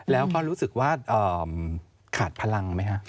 แล้วก็รู้สึกว่าขาดพลังไหมฮะ